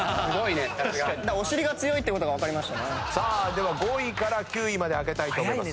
では５位から９位まで開けたいと思います。